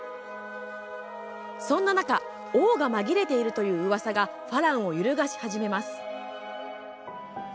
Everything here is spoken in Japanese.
そんな中、王が紛れているという、うわさが花郎を揺るがし始めます。